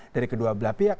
dari kedua belah pihak